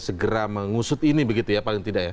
segera mengusut ini begitu ya paling tidak ya